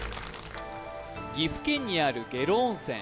岐阜県にある下呂温泉